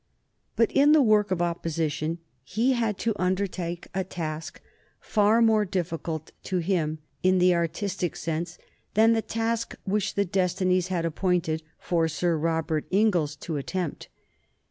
But in the work of opposition he had to undertake a task far more difficult to him in the artistic sense than the task which the destinies had appointed for Sir Robert Inglis to attempt.